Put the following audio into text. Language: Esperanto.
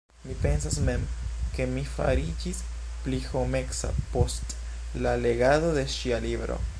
Mi pensas mem, ke mi fariĝis pli homeca post la legado de ŝia libro.